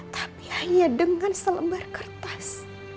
tapi hanya dengan selembar kertas